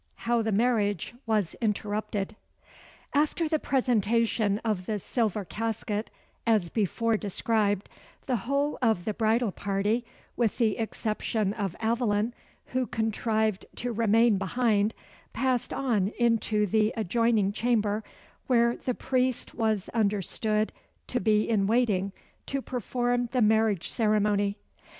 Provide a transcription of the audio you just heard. How the Marriage was interrupted. After the presentation of the silver casket, as before described, the whole of the bridal party, with the exception of Aveline, who contrived to remain behind, passed on into the adjoining chamber, where the priest was understood to be in waiting to perform the marriage ceremony.